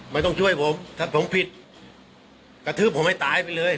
ไม่ต้องช่วยผมถ้าผมผิดกระทืบผมให้ตายไปเลย